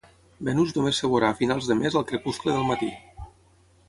Venus només es veurà a finals de mes al crepuscle del matí